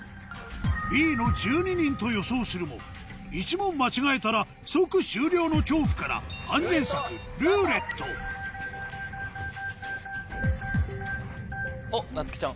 Ｂの「１２人」と予想するも１問間違えたら即終了の恐怖から安全策「ルーレット」おっなつきちゃん。